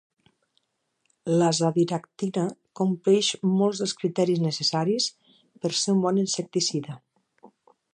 L'azadiractina compleix molts dels criteris necessaris per ser un bon insecticida.